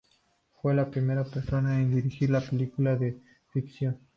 Fue la primera persona en dirigir una película de ficción.